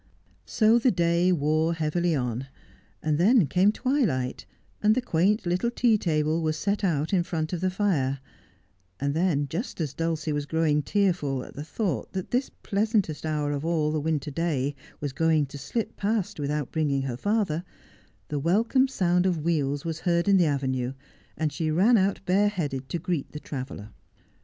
So the day wore heavily on, and then came twilight, and the quaint little tea table was set out in front of the fire ; and then, just as Dulcie was growing tearful at the thought that this pleasantest hour of all the winter day was going to slip past without bringing her father, the welcome sound of wheels was heard in the avenue, and she ran out bareheaded to greet the traveller.